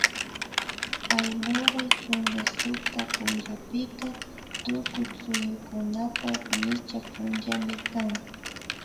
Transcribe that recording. Aymuray chunka sukta punllapika tukuy suyukunapak micha punllami kan